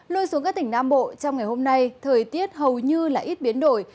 lôi xuống các tỉnh nam bộ trong ngày hôm nay thời tiết hầu như là ít biến đổi